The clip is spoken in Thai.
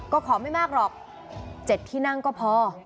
ก็ขอไม่มากหรอก๗ที่นั่งก็พอ